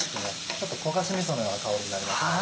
ちょっと焦がしみそのような香りになりますよね。